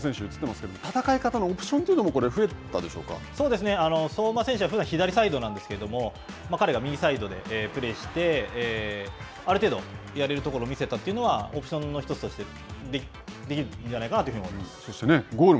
そして、戦い方のオプションも増そうですね、相馬選手は左サイドなんですけれども、彼が右サイドでプレーして、ある程度やれるところを見せたというのは、オプションの１つとしてできるんじゃないかなというふうに思っています。